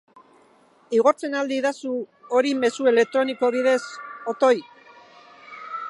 Igortzen ahal didazu hori mezu elektroniko bidez, otoi?